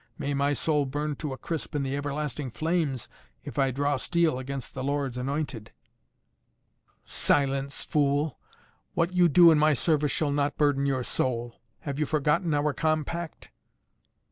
"May my soul burn to a crisp in the everlasting flames if I draw steel against the Lord's anointed." "Silence, fool! What you do in my service shall not burden your soul! Have you forgotten our compact?"